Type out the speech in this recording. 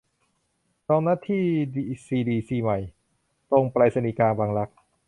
ลองนัดที่ทีซีดีซีใหม่ ตรงไปรษณีย์กลาง บางรัก